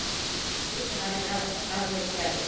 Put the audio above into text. Суд ғаризағыҙҙы ҡабул иткән.